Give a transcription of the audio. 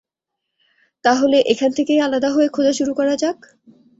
তাহলে এখান থেকেই আলাদা হয়ে খোঁজা শুরু করা যাক।